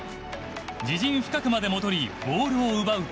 自陣深くまで戻りボールを奪うと。